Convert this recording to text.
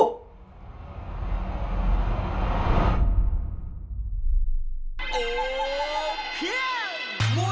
ดู